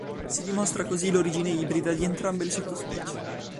Si dimostra così l'origine ibrida di entrambe le sottospecie.